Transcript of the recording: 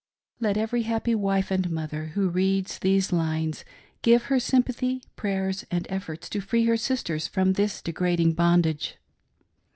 Let every happy wife and mother who reads these lines give her sympathy, prayers, and efforts to free her sisters from this degrading bondage.